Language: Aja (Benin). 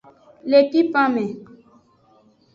Le pipan me.